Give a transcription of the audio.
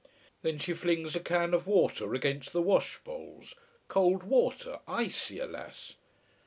Then she flings a can of water against the wash bowls cold water, icy, alas.